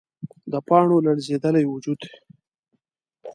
د پاڼو لړزیدلی وجود